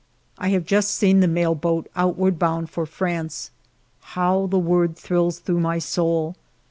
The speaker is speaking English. I have just seen the mail boat outward bound for France. How the word thrills through my ALFRED DREYFUS 147 soul